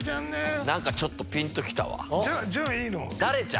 ちょっとピンと来たわ。